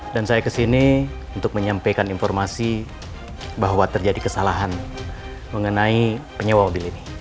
dan saya kesini untuk menyampaikan informasi bahwa terjadi kesalahan mengenai penyewa mobil ini